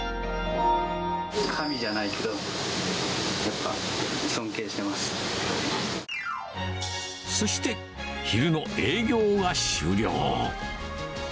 神じゃないけど、そして昼の営業が終了。